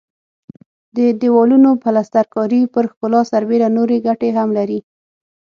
د دېوالونو پلستر کاري پر ښکلا سربېره نورې ګټې هم لري.